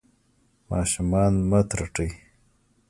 ماشومان مه ترټئ.